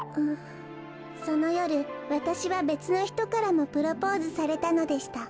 そのよるわたしはべつのひとからもプロポーズされたのでした